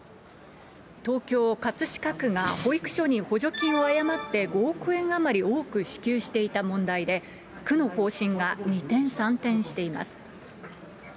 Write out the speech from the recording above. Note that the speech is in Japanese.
東京・葛飾区が、保育所に補助金を誤って５億円余り多く支給していた問題で、区の方針が二転三転しています。